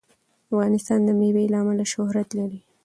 افغانستان د مېوې له امله شهرت لري.